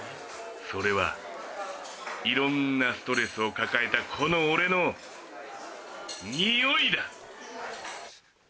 それはいろんなストレスを抱えたこの俺のにおいだ！